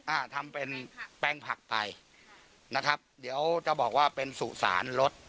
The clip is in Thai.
อ่าทำเป็นแปลงผักไปนะครับเดี๋ยวจะบอกว่าเป็นสุสานรส